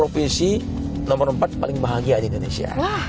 provinsi nomor empat paling bahagia di indonesia